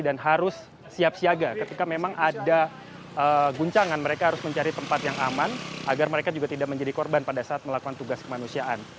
dan harus siap siaga ketika memang ada guncangan mereka harus mencari tempat yang aman agar mereka juga tidak menjadi korban pada saat melakukan tugas kemanusiaan